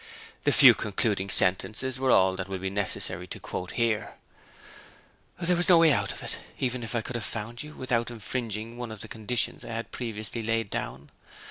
The few concluding sentences are all that it will be necessary to quote here: 'There was no way out of it, even if I could have found you, without infringing one of the conditions I had previously laid down.